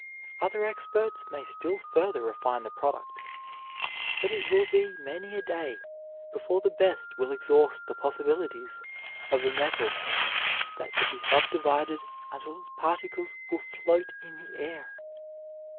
Other experts may still further refine the product, but it will be many a day before the best will exhaust the possibilities of a metal that can be subdivided until its particles will float in the air.